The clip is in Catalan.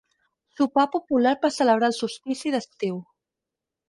Sopar popular per celebrar el solstici d'estiu.